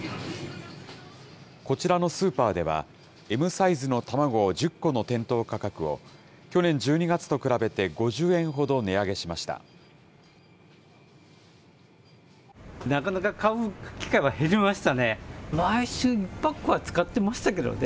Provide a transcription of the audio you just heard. こちらのスーパーでは、Ｍサイズの卵１０個の店頭価格を去年１２月と比べて５０円ほど値上げしました。